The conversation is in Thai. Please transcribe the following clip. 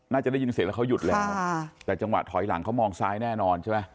น่าจะได้ยินเสียงแล้วเขาหยุดแล้วแต่จังหวะถอยหลังเขามองซ้ายแน่นอนใช่ไหม